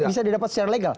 bisa didapat secara legal